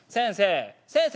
「先生。